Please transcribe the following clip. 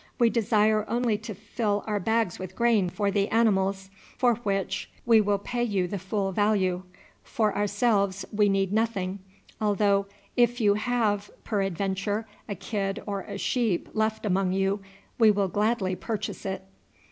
We desire only to fill our bags with grain for the animals, for which we will pay you the full value. For ourselves we need nothing, although, if you have peradventure a kid or a sheep left among you we will gladly purchase it."